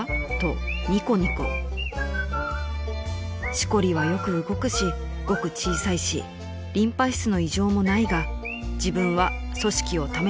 ［「しこりはよく動くしごく小さいしリンパ質の異常もないが自分は組織を試す必要もなく癌だと思う。